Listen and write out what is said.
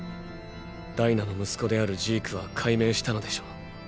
ダイナの息子であるジークは解明したのでしょう。